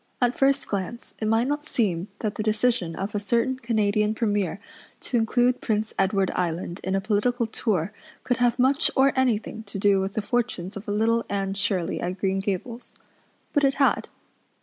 At first glance it might not seem that the decision of a certain Canadian Premier to include Prince Edward Island in a political tour could have much or anything to do with the fortunes of little Anne Shirley at Green Gables. But it had.